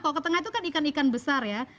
kalau ke tengah itu kan ikan ikan besar ya